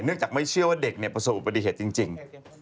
เนื่องจากไม่เชื่อว่าเด็กประสบอุปดิษฐ์จริง